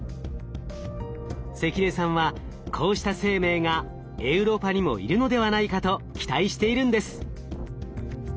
関根さんはこうした生命がエウロパにもいるのではないかと期待しているんです。